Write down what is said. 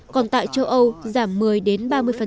còn tại châu âu giảm một mươi đến ba mươi